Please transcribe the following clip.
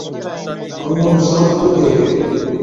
ائُون اونهُون سات پُوت هِلي۔